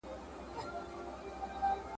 موږ باید خپل هېواد ته سوله راولو.